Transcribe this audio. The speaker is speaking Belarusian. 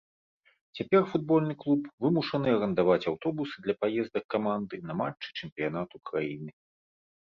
Цяпер футбольны клуб вымушаны арандаваць аўтобусы для паездак каманды на матчы чэмпіянату краіны.